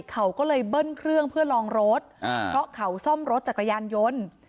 เขาก็เลยเบิ้ลเครื่องเพื่อลองรถเพราะเขาซ่อมรถจักรยานยนต์